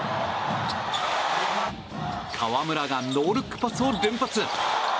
河村がノールックパスを連発。